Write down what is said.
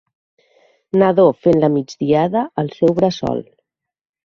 Nadó fent la migdiada al seu bressol.